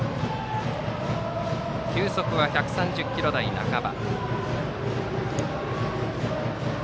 球速は１３０キロ台半ば。